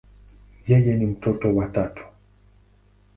Yeye ni mtoto wa tatu.